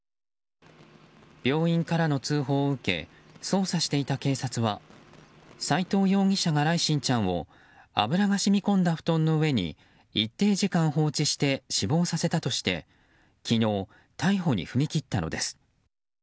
病院からの通報を受け捜査していた警察は斉藤容疑者が來心ちゃんを油が染み込んだ布団の上に一定時間放置して死亡させたとして昨日、逮捕に踏み切ったのです。